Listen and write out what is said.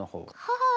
はあ。